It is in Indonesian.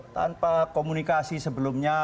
tanpa komunikasi sebelumnya